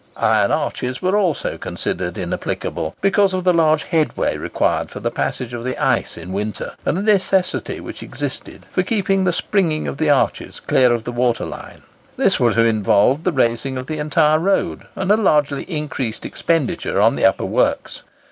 Iron arches were also considered inapplicable, because of the large headway required for the passage of the ice in winter, and the necessity which existed for keeping the springing of the arches clear of the water line. This would have involved the raising of the entire road, and a largely increased expenditure on the upper works.